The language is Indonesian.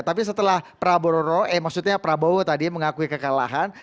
tapi setelah prabowo tadi mengakui kekalahan